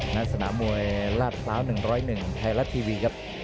นักสนามวยราชภาว๑๐๑ไทยรัฐทีวีครับ